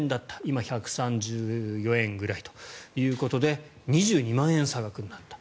今、１３４円ぐらいということで２２万円の差額になった。